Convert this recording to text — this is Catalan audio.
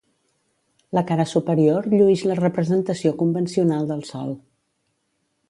La cara superior lluïx la representació convencional del sol.